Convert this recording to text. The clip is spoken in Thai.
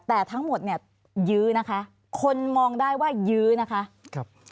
แต่ทั้งหมดเนี่ยยืนะคะคนมองได้ว่ายืนะคะ